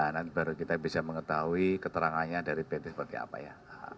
nanti baru kita bisa mengetahui keterangannya dari pt seperti apa ya